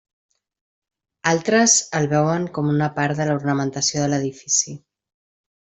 Altres els veuen com una part de l'ornamentació de l'edifici.